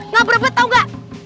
nggak berbet tau nggak